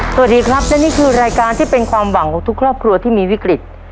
สวัสดีครับและนี่คือรายการที่เป็นความหวังของทุกครอบครัวที่มีวิกฤต